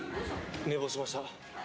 寝坊しました。